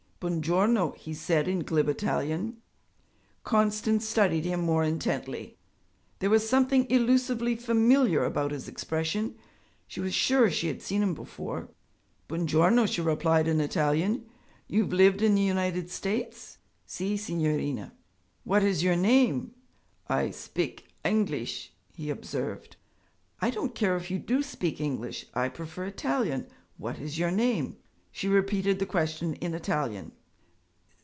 'Buon giorno,' he said in glib Italian. Constance studied him more intently. There was something elusively familiar about his expression; she was sure she had seen him before. 'Buon giorno,' she replied in Italian. 'You have lived in the United States?' 'Si, signorina.' 'What is your name?' 'I spik Angleesh,' he observed. 'I don't care if you do speak English; I prefer Italian what is your name?' She repeated the question in Italian.